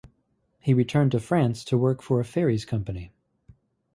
He returned to France to work for a ferries company.